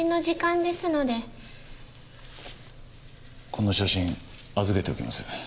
この写真預けておきます。